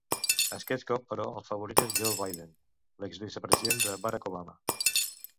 Aquest cop, però, el favorit és Joe Biden, l'exvicepresident de Barack Obama.